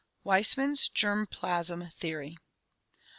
Weismann's Germ plasm Theory.